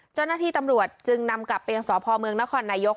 เจ้าหน้าที่ตำรวจจึงนำกลับไปยังสพเมืองนครนายก